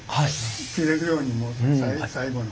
切れるようにもう最後の。